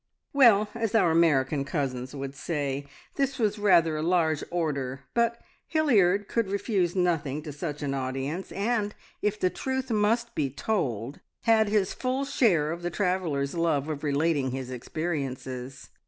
Well, as our American cousins would say, this was rather a large order; but Hilliard could refuse nothing to such an audience, and, if the truth must be told, had his full share of the traveller's love of relating his experiences.